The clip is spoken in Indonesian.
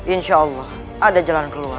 insya allah ada jalan keluar